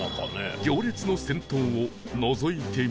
行列の先頭をのぞいてみると